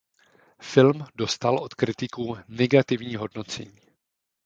Film dostal od kritiků negativní hodnocení.